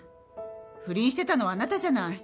不倫してたのはあなたじゃない。